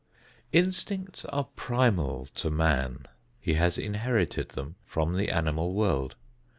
Instincts are primal to man. He has inherited them from the animal world.